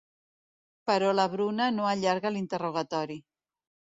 Però la Bruna no allarga l'interrogatori.